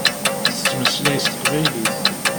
Tettmeslay s teqbaylit.